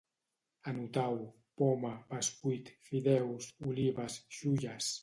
Anotau: poma, bescuit, fideus, olives, xulles